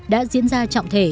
đã diễn ra trọng thể